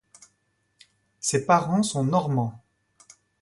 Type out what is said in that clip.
Ses parents sont normands.